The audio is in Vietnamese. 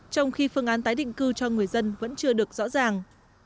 trong khi phương án tái định cư cho người dân vẫn chưa được rõ ràng